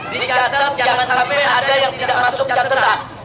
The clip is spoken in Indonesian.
dicatat jangan sampai ada yang tidak masuk catatan